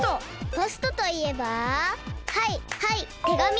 ポストといえばはいはいてがみ！